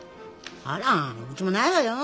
あらうちもないわよ。